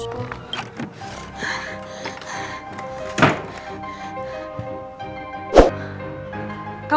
eh kamu sih dang